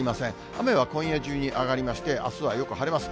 雨は今夜中に上がりまして、あすはよく晴れます。